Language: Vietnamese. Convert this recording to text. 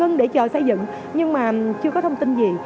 nhưng mà chưa có thông tin gì